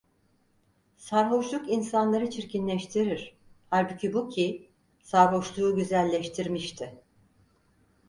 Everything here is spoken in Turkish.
Sarhoşluk insanları çirkinleştirir, halbuki bu ki, sarhoşluğu güzelleştirmişti.